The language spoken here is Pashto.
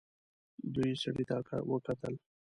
دوی سړي ته وکتل.